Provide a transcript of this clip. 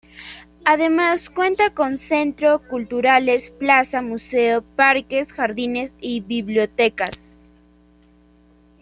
Además cuenta con centro culturales, plaza, museo, parques, jardines y biblioteca.